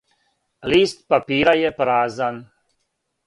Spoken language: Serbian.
Лист папира је празан.